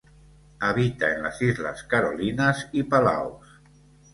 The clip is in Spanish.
Habita en las Islas Carolinas y Palaos.